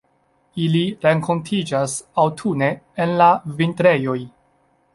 Ili renkontiĝas aŭtune en la vintrejoj.